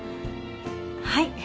はい。